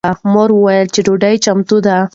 مور وویل چې ډوډۍ چمتو ده.